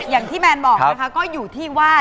อย่างที่แมนบอกนะครับก็อยู่ที่ว่า